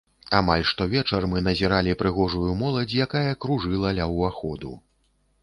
Амаль штовечар мы назіралі прыгожую моладзь, якая кружыла ля ўваходу.